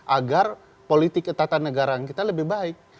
agar politik ketatan negara kita lebih baik